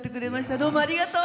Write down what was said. どうもありがとう。